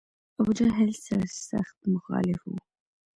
ابوجهل سر سخت مخالف و.